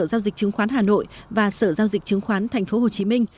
sở giao dịch chứng khoán hà nội và sở giao dịch chứng khoán tp hcm